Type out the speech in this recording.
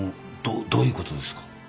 どどういうことですか？